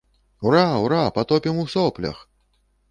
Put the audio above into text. Ура, ура, патопім у соплях.